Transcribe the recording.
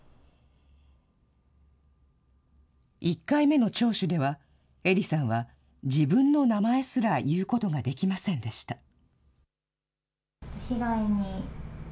１回目の聴取では、えりさんは自分の名前すら言うことができませんでした。